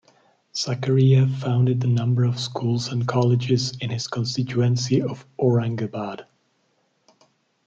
Zakaria founded a number of schools and colleges in his constituency of Aurangabad.